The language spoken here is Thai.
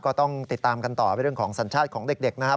ก็ต้องติดตามกันต่อไปเรื่องของสัญชาติของเด็กนะครับ